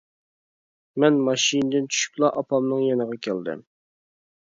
مەن ماشىنىدىن چۈشۈپلا ئاپامنىڭ يېنىغا كەلدىم.